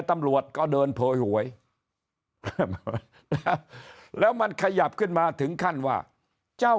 ตำรวจก็เดินโพยหวยแล้วมันขยับขึ้นมาถึงขั้นว่าเจ้า